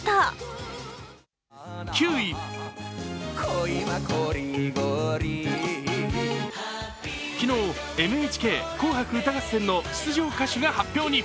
その内容が昨日、「ＮＨＫ紅白歌合戦」の出場歌手が発表に。